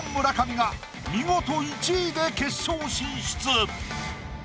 村上が見事１位で決勝進出。